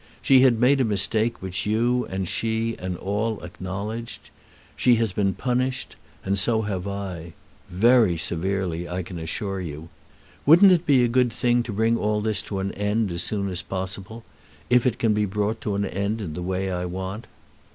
She had made a mistake which you and she and all acknowledged. She has been punished; and so have I, very severely I can assure you. Wouldn't it be a good thing to bring all this to an end as soon as possible, if it can be brought to an end in the way I want?